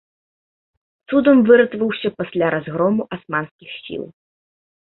Цудам выратаваўся пасля разгрому асманскіх сіл.